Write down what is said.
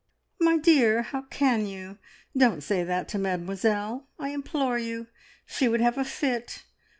"My dear, how can you? Don't say that to Mademoiselle, I implore you! She would have a fit.